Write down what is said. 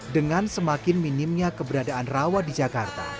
dengan semakin minimnya keberadaan rawa di jakarta